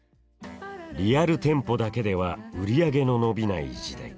リアル店舗だけでは売り上げの伸びない時代。